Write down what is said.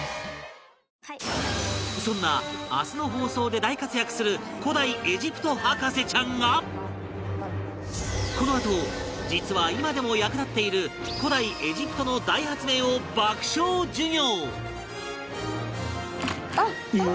そんな明日の放送で大活躍する古代エジプト博士ちゃんがこのあと実は今でも役立っている古代エジプトの大発明を爆笑授業！